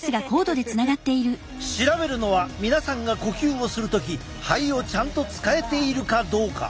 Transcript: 調べるのは皆さんが呼吸をする時肺をちゃんと使えているかどうか。